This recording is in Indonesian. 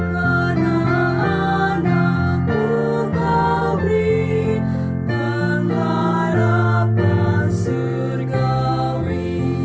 karena anakku kau beri pengharapan surgawi